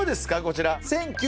こちら。